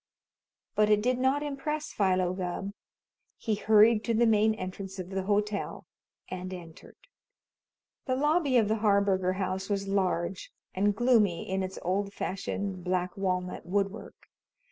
But it did not impress Philo Gubb. He hurried to the main entrance of the hotel, and entered. The lobby of the Harburger House was large, and gloomy in its old fashioned black walnut woodwork.